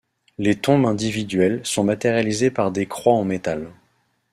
Les tombes individuelles sont matérialisées par des croix en métal.